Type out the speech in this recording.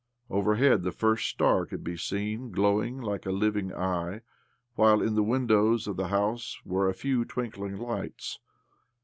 Over head, the first star could be seen glowing like a living eye, while in the windows of the house were a few twinkling lights.